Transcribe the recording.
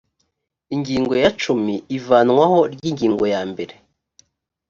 ingingo ya cumi ivanwaho ry ingingo ya mbere